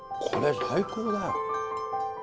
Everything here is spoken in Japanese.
これ最高だよ。